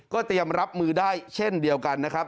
เตรียมรับมือได้เช่นเดียวกันนะครับ